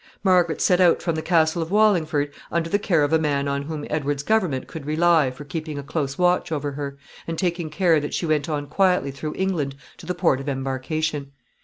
Margaret set out from the castle of Wallingford under the care of a man on whom Edward's government could rely for keeping a close watch over her, and taking care that she went on quietly through England to the port of embarkation.